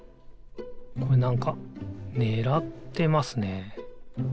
これなんかねらってますね。